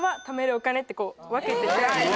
お金ってこう分けてて偉いな！